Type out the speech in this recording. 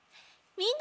みんな。